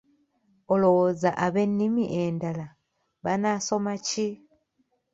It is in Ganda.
Olowooza ab'ennimi endala banaasoma ki?